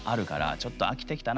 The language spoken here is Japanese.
ちょっと飽きてきたな